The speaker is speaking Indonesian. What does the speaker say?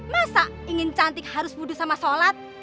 masa ingin cantik harus wudhu sama sholat